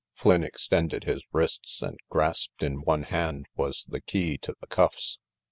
Flynn extended his wrists and grasped in one hand was the key to the cuffs.